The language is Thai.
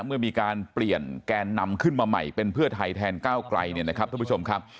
เมื่อมีการเปลี่ยนแกนนำขึ้นมาใหม่เป็นเพื่อไทยแทนก้าวไกลเนี่ยนะครับท่านผู้ชมครับ